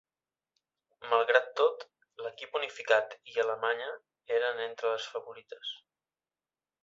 Malgrat tot, l'Equip Unificat i Alemanya eren entre les favorites.